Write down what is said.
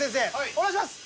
お願いします。